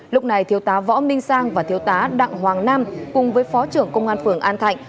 lúc này thiếu tá võ minh sang và thiếu tá đặng hoàng nam cùng với phó trưởng công an phường an thạnh